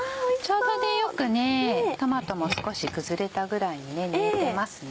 ちょうどよくトマトも少し崩れたぐらいに煮えてますね。